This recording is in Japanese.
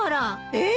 えっ？